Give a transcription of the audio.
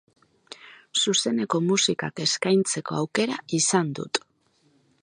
Zuzeneko musikak eskaintzeko aukera izan dut.